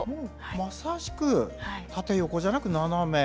まさしく縦横じゃなくナナメ。